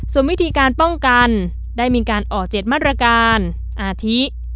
ส่วนวิธีการป้องกันได้มีการออก๗มาตรการอาทิ